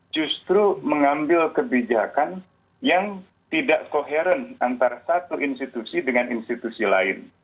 justru mengambil kebijakan yang tidak koheren antara satu institusi dengan institusi lain